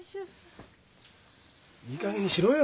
いいかげんにしろよ。